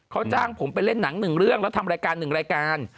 เขาจ้างผมไปเล่นหนังหนึ่งเรื่องแล้วทำรายการ๑รายการ